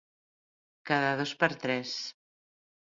Cada dos per tres.